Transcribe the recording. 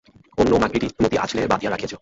অন্য মাকড়িটি মতি আঁচলে বাধিয়া রাখিয়াছিল।